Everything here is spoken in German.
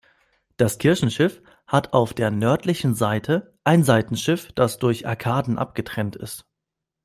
Das Kirchenschiff hat auf der nördlichen Seite ein Seitenschiff, das durch Arkaden abgetrennt ist.